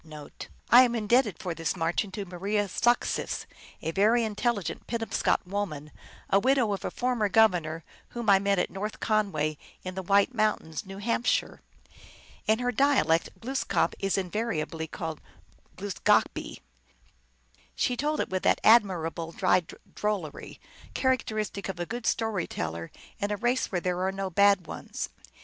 Nkarnayoo, of old times : Woodenit atok hagen 1 I am indebted for this " miirchen " to Maria Saksis, a very intelligent Penobscot woman, a widow of a former governor, whom I met at North Conway, in the White Mountains, N. H. In her dialect Glooskap is invariably called Glus gah be. She told it with that admirable dry drollery, characteristic of a good story teller in a race where there are no bad ones.